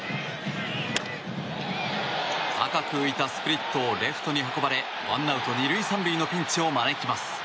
高く浮いたスプリットをレフトに運ばれワンアウト２塁３塁のピンチを招きます。